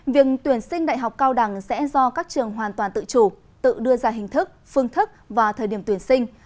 việc tuyển sinh đại học cao đẳng sẽ do các trường hoàn toàn tự chủ tự đưa ra hình thức phương thức và thời điểm tuyển sinh